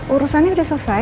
urusannya sudah selesai